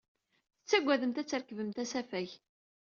Tettagademt ad trekbemt asafag.